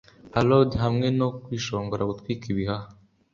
Hallowd hamwe no kwishongora gutwika ibihaha